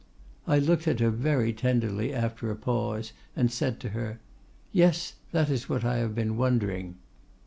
I looked at her very tenderly after a pause, and said to her, 'Yes, that is what I have been wondering.